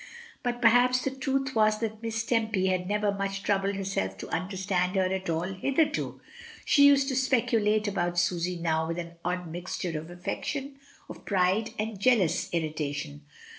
But perhaps the truth was that Miss Tempy had never much troubled herself to understand her at all hitherto. She used to speculate about Susy now with an odd mixture of affection, of pride, and jealous irritation.